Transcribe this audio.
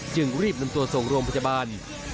จึงรีบนำตัวส่งโรงพยาบาล